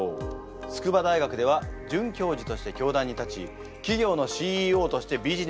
筑波大学では准教授として教壇に立ち企業のＣＥＯとしてビジネスも手がける。